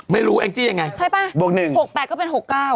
ไม่รู้เองจี้ยังไงใช่ป่ะ๖๘ก็เป็น๖๙